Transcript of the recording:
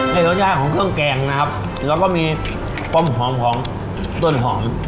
ในรู้จักของเครื่องแกงนะครับแล้วก็มีความหอมต้นหอม